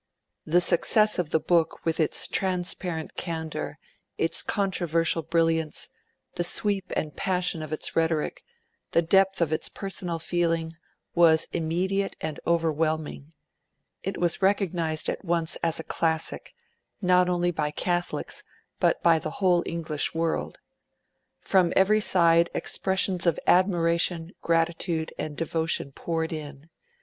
The success of the book, with its transparent candour, its controversial brilliance, the sweep and passion of its rhetoric, the depth of its personal feeling, was immediate and overwhelming; it was recognised at once as a classic, not only by Catholics, but by the whole English world. From every side expressions of admiration, gratitude, and devotion poured in.